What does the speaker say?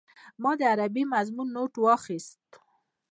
ما د عربي مضمون نوټ راواخيست.